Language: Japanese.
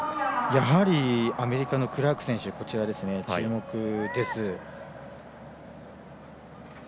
やはりアメリカのクラーク選手注目です。